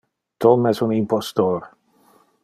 Tom es un impostor.